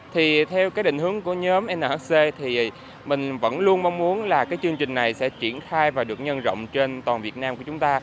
thì theo cái định hướng của nhóm nhc thì mình vẫn luôn mong muốn là cái chương trình này sẽ triển khai và được nhân rộng trên toàn việt nam của chúng ta